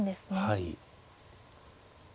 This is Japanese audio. はい。